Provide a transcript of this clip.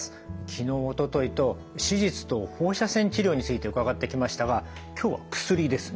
昨日おとといと手術と放射線治療について伺ってきましたが今日は薬ですね。